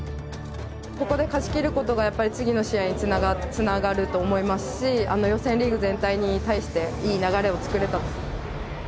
ここで勝ちきることがやっぱり次の試合につながると思いますし予選リーグ全体に対していい流れを作れた。